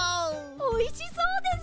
おいしそうです！